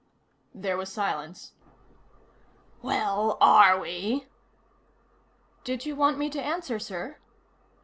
There was silence. "Well, are we?" "Did you want me to answer, sir?"